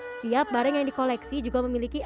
setiap barang yang di koleksi juga memiliki